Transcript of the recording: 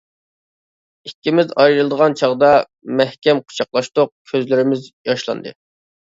ئىككىمىز ئايرىلىدىغان چاغدا مەھكەم قۇچاقلاشتۇق، كۆزلىرىمىز ياشلاندى.